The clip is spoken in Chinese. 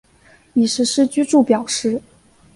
已实施住居表示。